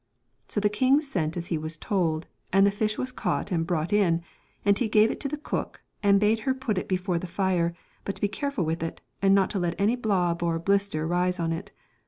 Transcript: So the king sent as he was told, and the fish was caught and brought in, and he gave it to the cook, and bade her put it before the fire, but to be careful with it, and not to let any blob or blister rise on it.